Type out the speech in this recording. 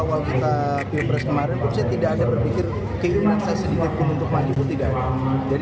warga dan pegawai pegawai mereka akan berbagi tentang perkembangan wakil pribadi di dokter anfra